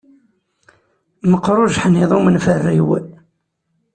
Meqqeṛ ujeḥniḍ umenferriw.